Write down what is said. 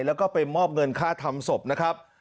แล้วก็ไปมอบเงินค่าทำศพนะครับ